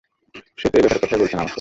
সে তো এব্যাপারে কথাই বলছে না আমার সাথে।